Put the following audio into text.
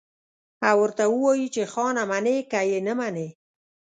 او ورته ووايي چې خانه منې که يې نه منې.